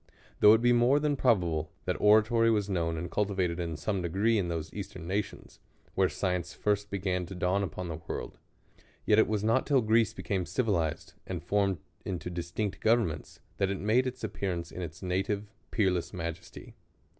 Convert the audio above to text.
Though it be more than probable, that oratory was known and cultivated in some degree in ihose eastern nations, where science first began to dawn upon the world ; yet it was not till Greece became civilized and formed into distinct governments, that it made its appear ance in its native, peerless majesty.